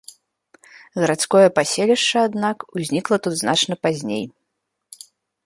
Гарадское паселішча, аднак, узнікла тут значна пазней.